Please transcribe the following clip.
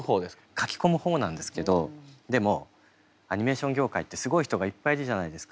描き込む方なんですけどでもアニメーション業界ってすごい人がいっぱいいるじゃないですか。